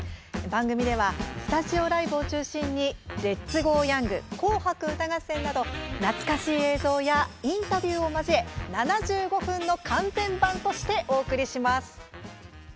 番組ではスタジオライブを中心に「レッツゴーヤング」「紅白歌合戦」など懐かしい映像やインタビューを交え７５分の完全版としてお送りします。